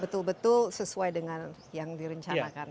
betul betul sesuai dengan yang direncanakan